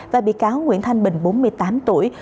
và bị cáo nguyễn thanh bình bốn mươi tám tuổi